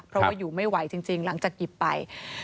เพราะว่าอยู่ไม่ไหวจริงหลังจากหยิบไป